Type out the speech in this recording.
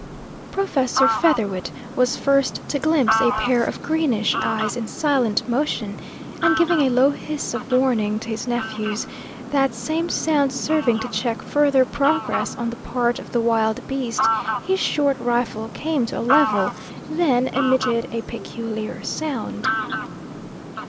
Professor Featherwit was first to glimpse a pair of greenish eyes in silent motion, and, giving a low hiss of warning to his nephews, that same sound serving to check further progress on the part of the wild beast, his short rifle came to a level, then emitted a peculiar sound.